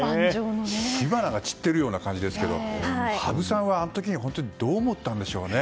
火花が散っているような感じですけど羽生さんはあの時、どう思ったんでしょうね。